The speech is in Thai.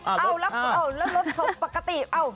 อ้าวแล้วรถเขาปกติอ้าว